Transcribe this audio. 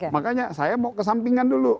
makanya saya mau kesampingan dulu